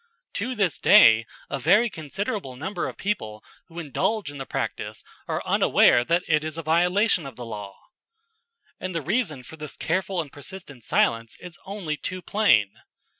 To this day a very considerable number of people who indulge in the practice are unaware that it is a violation of the law. And the reason for this careful and persistent silence is only too plain.